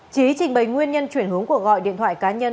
trí trình bày nguyên nhân chuyển hướng cuộc gọi điện thoại cá nhân